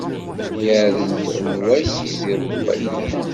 Iaɛdel n wass d yiḍelli.